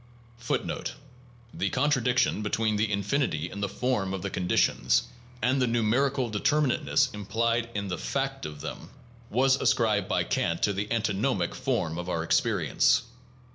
1 1 The contradiction between the infinity in the form of the condi tions, and the numerical determinateness implied in the fact of them, was ascribed by Kant to the antinomic form of our experience.